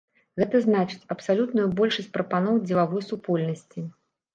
Гэта значыць, абсалютную большасць прапаноў дзелавой супольнасці.